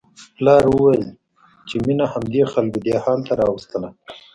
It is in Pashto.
پلار وویل چې مينه همدې خلکو دې حال ته راوستله